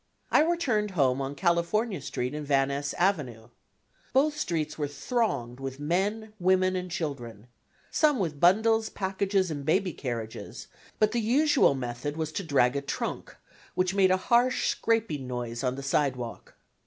I returned home on California Street and Van Ness Avenue. Both streets were thronged with men, women, and children some with bundles, packages, and baby carriages; but the usual method was to drag a trunk, which made a harsh, scraping noise on the sidewalk.